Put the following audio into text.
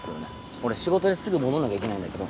俺仕事にすぐ戻らなきゃいけないんだけど。